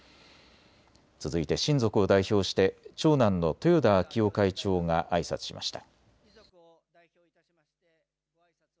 続いて親族を代表して長男の豊田章男会長があいさつしました。